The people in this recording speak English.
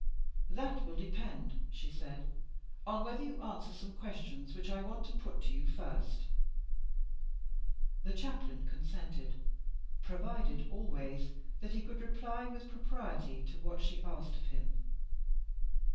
'That will depend,' she said, 'on whether you answer some questions which I want to put to you first.' The Chaplain consented; provided always that he could reply with propriety to what she asked of him.